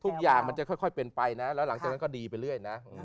มันจะค่อยเป็นไปนะแล้วหลังจากนั้นก็ดีไปเรื่อยนะ